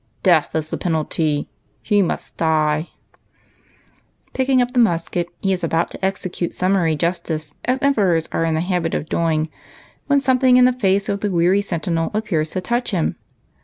Death is the penalty, — he must die !" Picking up the musket, he is about to execute sum« raary justice, as emperors are in the habit of doing, when something in the face of the weary sentinel appears to touch him.